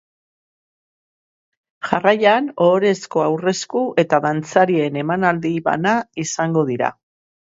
Jarraian, ohorezko aurresku eta dantzarien emanaldi bana izango dira.